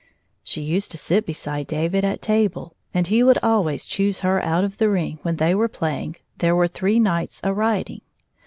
She used to sit beside David at table, and he would always choose her out of the ring when they were plajdng " There were three Knights a riding."